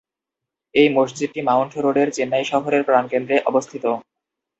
এই মসজিদটি মাউন্ট রোডের চেন্নাই শহরের প্রাণকেন্দ্রে অবস্থিত।